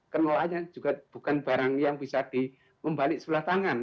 kenolaannya juga bukan barang yang bisa di membalik sebelah tangan